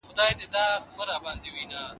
د استاد مشوره د کتابونو له لوستلو ډېره ګټوره ده.